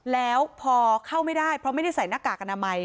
แล้วพอเข้าไม่ได้เพราะไม่ได้ใส่หน้ากากอนามัย